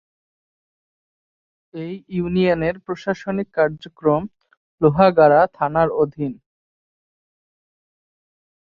এ ইউনিয়নের প্রশাসনিক কার্যক্রম লোহাগাড়া থানার আওতাধীন।